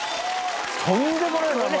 とんでもない名前。